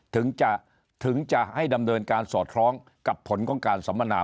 ถึงจะถึงจะให้ดำเนินการสอดคล้องกับผลของการสัมมนา